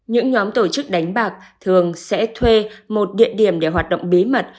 những nhóm tổ chức đánh bạc thường sẽ thuê một địa điểm để hoạt động bí mật